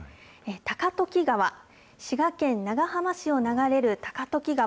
高時川、滋賀県長浜市を流れる高時川。